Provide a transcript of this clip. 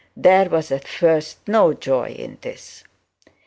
There was at first no joy in this.